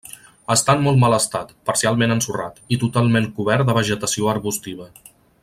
Està en molt mal estat, parcialment ensorrat, i totalment cobert de vegetació arbustiva.